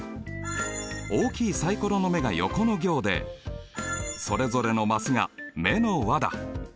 大きいサイコロの目がヨコの行でそれぞれのマスが目の和だ。